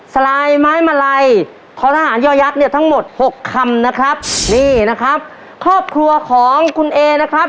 สลายไม้มะลัยครอบครัวของคุณเอนะครับ